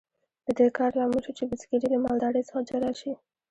د دې کار لامل شو چې بزګري له مالدارۍ څخه جلا شي.